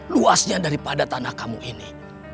luasnya daripada tanah kamu ini